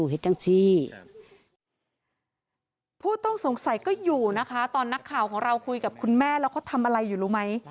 เขาก็พูดตรงสงสัยนะคะตอนนักข่าวของเราคุยกับคุณแม่แล้วก็ทำอะไรอยู่รู้ไม๊